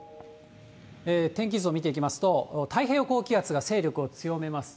天気図を見ていきますと、太平洋高気圧が勢力を強めます。